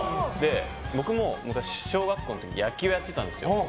僕も昔、小学校の時野球やってたんですよ。